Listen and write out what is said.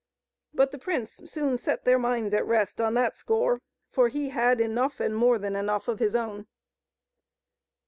But the prince soon set their minds at rest on that score, for he had enough and more than enough of his own.